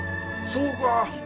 そうか。